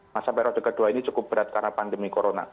masa periode kedua ini cukup berat karena pandemi corona